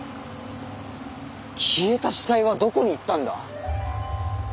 消えた死体はどこに行ったんだ？